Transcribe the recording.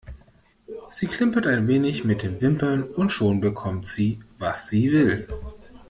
Sie klimpert ein wenig mit den Wimpern und schon bekommt sie, was sie will.